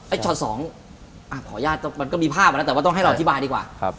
ช็อตสองอ่ะขออนุญาตมันก็มีภาพอ่ะนะแต่ว่าต้องให้เราอธิบายดีกว่า